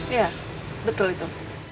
iya betul itu